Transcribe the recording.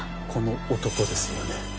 この男ですよね？